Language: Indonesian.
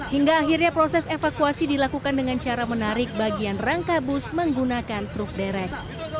hingga akhirnya proses evakuasi dilakukan dengan cara menarik bagian rangka bus menggunakan truk derek